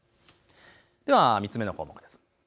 ３つ目の項目です。